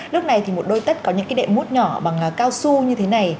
lúc này thì một đôi tất có những cái đệm mút nhỏ bằng cao su như thế này